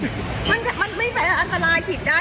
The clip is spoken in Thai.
ไม่ได้เชียงแล้วกินอีกว่ามันจะมันไม่ใส่อันตรายฉีดได้